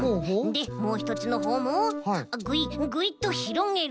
でもうひとつのほうもぐいっぐいっとひろげる。